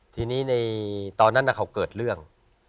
ทีนี้ในตอนนั้นเขาเกิดเรื่อง